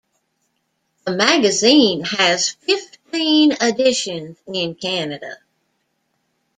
The magazine has fifteen editions in Canada.